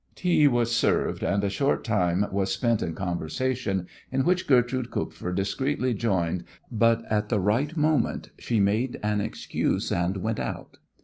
Tea was served, and a short time was spent in conversation, in which Gertrude Kupfer discreetly joined, but at the right moment she made an excuse and went out.